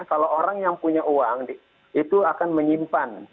kalau orang yang punya uang itu akan menyimpan